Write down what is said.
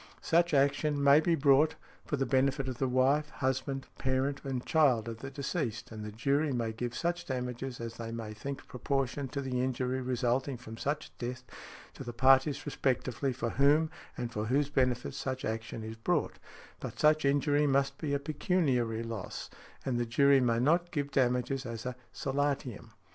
Such action may be brought for the benefit of the wife, husband, parent and child of the deceased, and the jury may give such damages as they may think proportioned to the injury resulting from such death to the parties respectively for whom and for whose benefit such |81| action is brought; but such injury must be a pecuniary loss, and the jury may not give damages as a solatium .